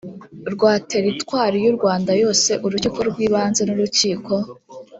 rwa teritwari y u rwanda yose urukiko rw ibanze n urukiko